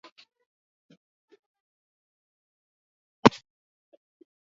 Asifuye jua limemwangaza